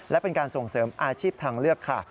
และเป็นการส่งเสริมอาชีพทางเลือกค่ะ